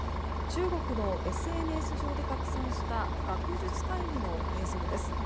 中国のＳＮＳ上で拡散した学術会議の映像です。